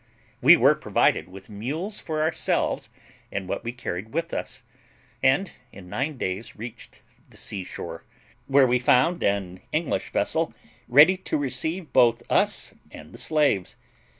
"We were provided with mules for ourselves and what we carried with us, and in nine days reached the sea shore, where we found an English vessel ready to receive both us and the slaves.